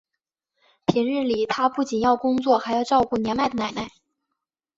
平日里他不仅要工作还要照顾年迈的奶奶。